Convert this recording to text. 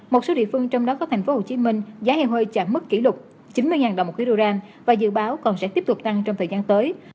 một số địa phương trong đó có thành phố hồ chí minh giá heo hơi chạm mức kỷ lục chín mươi đồng một khí đô ram và dự báo còn sẽ tiếp tục tăng trong thời gian tới